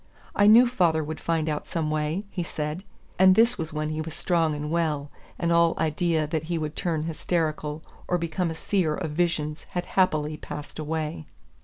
"I knew father would find out some way," he said. And this was when he was strong and well, and all idea that he would turn hysterical or become a seer of visions had happily passed away.